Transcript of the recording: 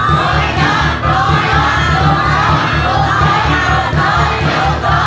น้อยนาครับ